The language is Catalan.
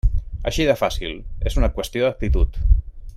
Així de fàcil, és una qüestió d'actitud.